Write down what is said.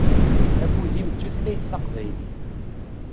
Afud-im d tutlayt taqbaylit.